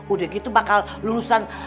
udah gitu bakal lulusan